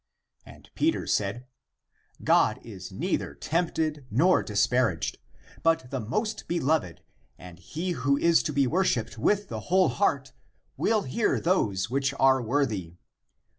And Peter said, " God is neither tempted nor disparaged. But the Most Beloved (and) he who is to be worshipped with the whole heart, will hear those which are worthy.